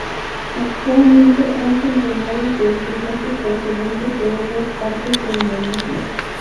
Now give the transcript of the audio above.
Actualmente hay centenares de estudiantes procedentes de otras partes de Indonesia.